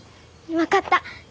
分かった。